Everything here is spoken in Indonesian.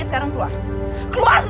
sekarang keluar keluar kak